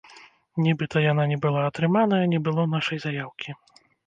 Нібыта, яна не была атрыманая, не было нашай заяўкі.